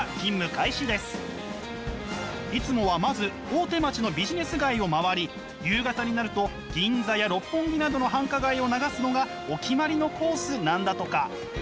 いつもはまず大手町のビジネス街を回り夕方になると銀座や六本木などの繁華街を流すのがお決まりのコースなんだとか。